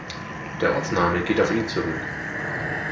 Der Ortsname geht auf ihn zurück.